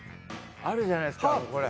あるじゃないですかこれ。